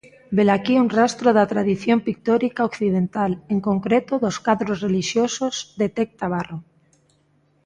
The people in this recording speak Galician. Velaquí un rastro da tradición pictórica occidental, en concreto dos cadros relixiosos, detecta Barro.